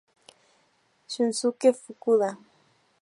Shunsuke Fukuda